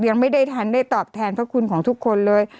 ยังไม่ได้ทันได้ตอบแทนพระคุณของทุกคนเลย